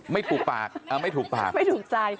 ไม่ถูกปากไม่ถูกใจ